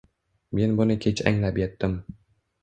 Men buni kech anglab yetdim.